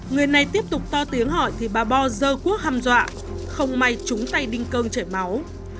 người này tiếp tục to tiếng hỏi thì bà bo dơ cuốc hăm dọa không may trúng tay đinh công chảy máu